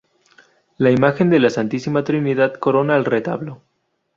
La imagen de la Santísima Trinidad corona el retablo.